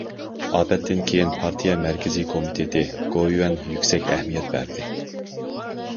ئاپەتتىن كېيىن پارتىيە مەركىزىي كومىتېتى، گوۋۇيۈەن يۈكسەك ئەھمىيەت بەردى.